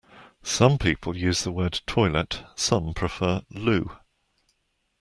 Some people use the word toilet, some prefer loo